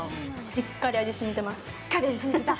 しっかり味、染みてます。